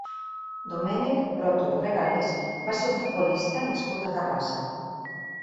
Domènec Broto i Regalés va ser un futbolista nascut a Terrassa.